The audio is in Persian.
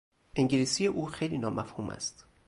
انگلیسی او خیلی نامفهوم است.